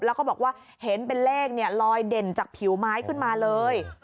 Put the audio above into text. แล้วก็บอกว่าเห็นเป็นเลขลอยเด่นจากผิวไม้ขึ้นมาเลย